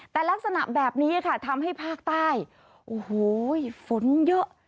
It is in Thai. แต่ลักษณะแบบนี้ทำให้ภาคใต้ฝนเยอะ